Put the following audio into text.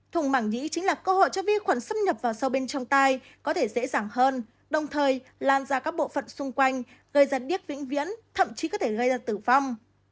thùng mảng nhĩ chính là cơ hội cho vi khuẩn xâm nhập vào sâu bên trong tai có thể dễ dàng hơn đồng thời lan ra các bộ phận xung quanh gây giật điếc vĩnh viễn thậm chí có thể gây ra tử vong